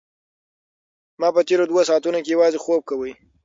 ما په تېرو دوو ساعتونو کې یوازې خوب کاوه.